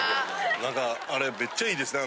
何かあれめっちゃいいですね。